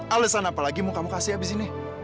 alasan apa lagi mau kamu kasih habis ini